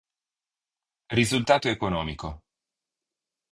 Risultato economico.